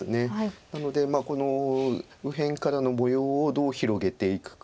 なのでこの右辺からの模様をどう広げていくか。